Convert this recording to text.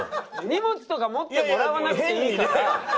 荷物とか持ってもらわなくていいから。